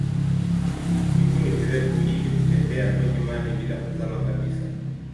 Miguu ni mirefu ili kutembea kwenye maji bila kuzama kabisa.